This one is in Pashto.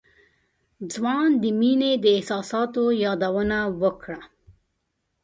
ځوان د مينې د احساساتو يادونه وکړه.